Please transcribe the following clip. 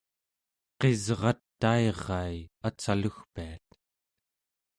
qisratairai atsalugpiat